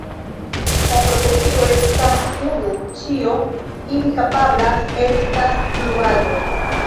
La profesio estas uno, ĉio ili kapablas estas pluaĵo.